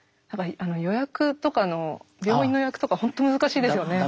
予約とかの病院の予約とか本当難しいですよね。